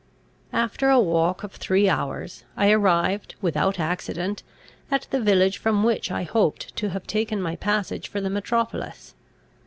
After a walk of three hours, I arrived, without accident, at the village from which I hoped to have taken my passage for the metropolis.